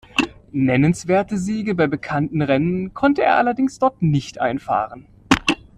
Nennenswerte Siege bei bekannten Rennen konnte er allerdings dort nicht einfahren.